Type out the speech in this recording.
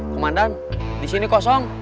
komandan disini kosong